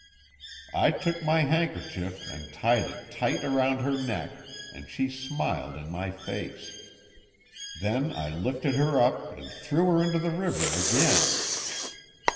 "I took my handkerchief, and tied it tight round her neck, and she smiled in my face. Then I lifted her up, and threw her into the river again.